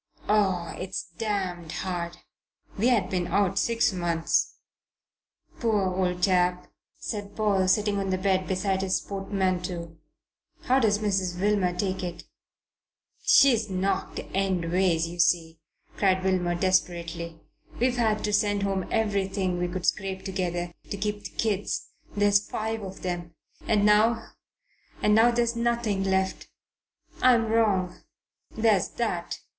Oh, it's damned hard! We had been out six months." "Poor old chap!" said Paul, sitting on the bed beside his portmanteau. "How does Mrs. Wilmer take it?" "She's knocked endways. You see," cried Wilmer desperately, "we've had to send home everything we could scrape together to keep the kids there's five of them; and now and now there's nothing left. I'm wrong. There's that."